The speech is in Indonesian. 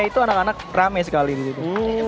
itu anak anak ramai sekali gitu